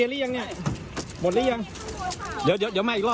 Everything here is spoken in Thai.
ล่ะพี่เอาไปไปเร็ว